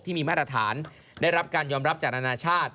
มาตรฐานได้รับการยอมรับจากนานาชาติ